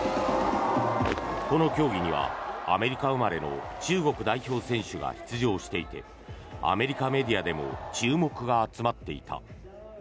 この競技にはアメリカ生まれの中国代表選手が出場していてアメリカメディアでも注目が集まっていた。